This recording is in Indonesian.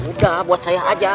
udah buat saya aja